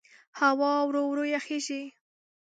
هوا ورو ورو یخېږي.